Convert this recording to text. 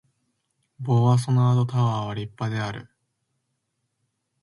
ボワソナードタワーは立派である